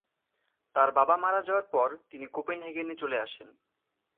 তার বাবা মারা যাওয়ার পর তিনি কোপেনহেগেনে চলে আসেন।